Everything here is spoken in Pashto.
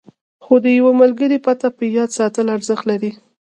خو د یوه ملګري پته په یاد ساتل ارزښت لري.